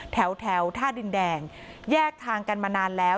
แถวท่าดินแดงแยกทางกันมานานแล้ว